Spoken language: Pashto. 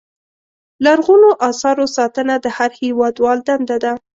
لرغونو اثارو ساتنه د هر هېوادوال دنده ده.